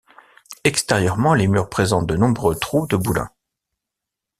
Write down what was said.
Extérieurement les murs présentent de nombreux trous de boulins.